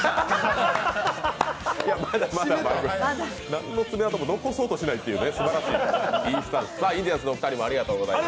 何の爪痕も残そうとしないというね、すばらしい。